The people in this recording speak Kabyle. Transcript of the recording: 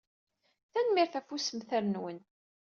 Tanemmirt ɣef ussemter-nwen.